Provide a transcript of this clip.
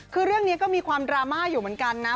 คือเรื่องนี้ก็มีความดราม่าอยู่เหมือนกันนะ